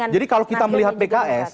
jadi kalau kita melihat pks